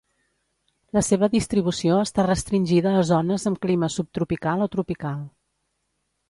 La seva distribució està restringida a zones amb clima subtropical o tropical.